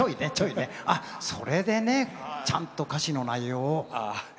それでちゃんと歌詞の内容を。